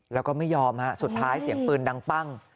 แล้วก็ไม่ยอมสุดท้ายเสียงปืนดังปั้ง